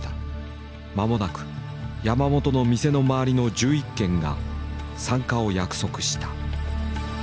間もなく山本の店の周りの１１軒が参加を約束した。